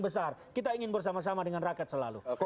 besar kita ingin bersama sama dengan rakyat selalu